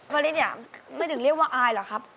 ตอนนี้ไม่ถึงเรียกว่าอายหรือครับ